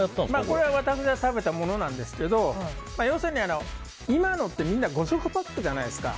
これは私が食べたものなんですけど要するに今のってみんな５食パックじゃないですか。